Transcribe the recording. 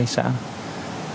vô phụ trách xã